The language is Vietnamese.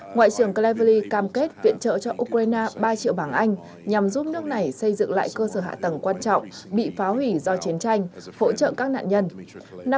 ngoại trưởng cleverley cam kết viện trợ cho ukraine ba triệu bảng anh nhằm giúp nước này xây dựng lại cơ sở hạ tầng quan trọng bị phá hủy do chiến tranh hỗ trợ các nạn nhân